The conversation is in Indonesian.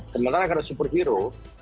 sebenarnya kalau superhero